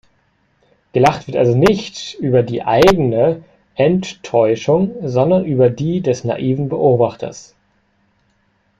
Gelacht wird also nicht über die "eigene" Ent-Täuschung, sondern über die des naiven Beobachters.